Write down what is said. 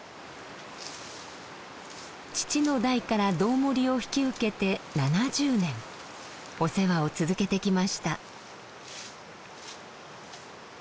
父の代から堂守を引き受けて７０年お世話を続けてきました。